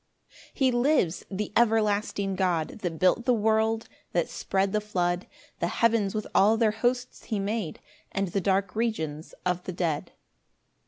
2 He lives, the everlasting God, That built the world, that spread the flood; The heavens with all their hosts he made, And the dark regions of the dead.